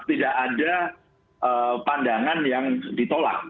tidak ada pandangan yang ditolak